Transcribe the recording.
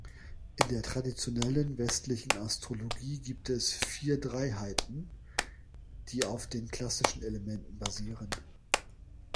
In der traditionellen westlichen Astrologie gibt es vier Dreiheiten, die auf den klassischen Elementen basieren.